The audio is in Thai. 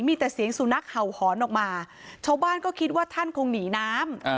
มีแต่เสียงสุนัขเห่าหอนออกมาชาวบ้านก็คิดว่าท่านคงหนีน้ำ